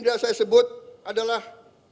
dan saya sebut adalah